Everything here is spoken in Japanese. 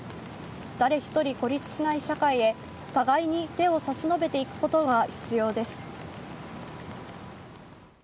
誰一人孤立しない社会へ、互いに手を差し伸べていくことが必要です。